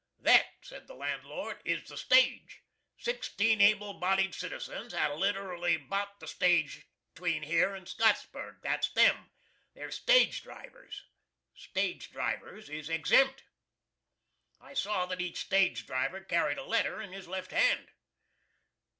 "That," said the landlord, "is the stage. Sixteen able bodied citizens has literally bo't the stage line 'tween here and Scotsburg. That's them. They're Stage drivers. Stage drivers is exempt!" I saw that each stage driver carried a letter in his left hand.